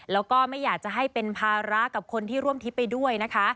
แล้วก็ไม่อยากจะให้เป็นภาระกับคนที่ร่วมทิพย์ไปด้วยนะคะ